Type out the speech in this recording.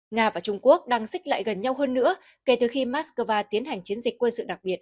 nga và trung quốc đang xích lại gần nhau hơn nữa kể từ khi moscow tiến hành chiến dịch quân sự đặc biệt